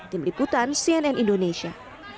tim liputan cnn indonesia